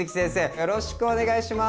よろしくお願いします！